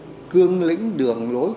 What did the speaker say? điều lệ cương lĩnh đường lối